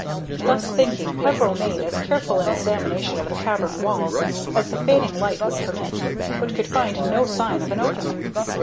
Thus thinking, Peveril made as careful an examination of the cavern walls as the fading light would permit, but could find no sign of an opening.